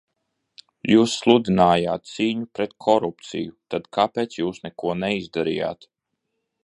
Jūs sludinājāt cīņu pret korupciju, tad kāpēc jūs neko neizdarījāt?